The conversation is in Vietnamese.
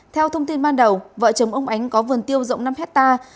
theo thông tin ban đầu vợ chồng ông ánh có vườn tiêu rộng năm hectare